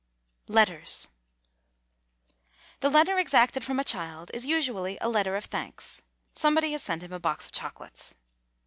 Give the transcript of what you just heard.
LETTERS The letter exacted from a child is usually a letter of thanks; somebody has sent him a box of chocolates.